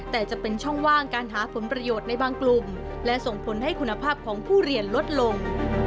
แต่จะเป็นช่องว่างการหาผลประโยชน์ในบางกลุ่มและส่งผลให้คุณภาพของผู้เรียนลดลง